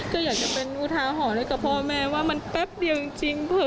ก็อยากจะเป็นอุทาหรณ์ให้กับพ่อแม่ว่ามันแป๊บเดียวจริง